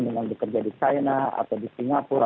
dengan bekerja di china atau di singapura